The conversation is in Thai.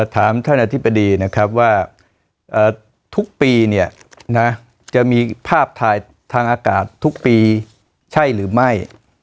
ถามท่านอธิบดีนะครับว่าทุกปีเนี่ยนะจะมีภาพถ่ายทางอากาศทุกปีใช่หรือไม่